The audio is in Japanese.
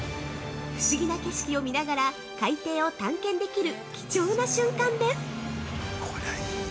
不思議な景色を見ながら海底を探検できる貴重な瞬間です。